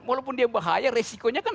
walaupun dia bahaya resikonya kan